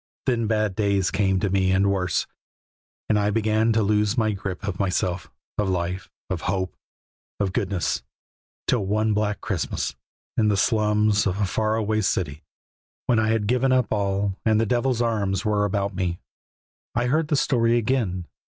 Then bad days came to me and worse, and I began to lose my grip of myself, of life, of hope, of goodness, till one black Christmas, in the slums of a far away city, when I had given up all and the devil's arms were about me, I heard the story again.